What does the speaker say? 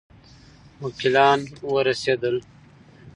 وکیلان ورسېدل.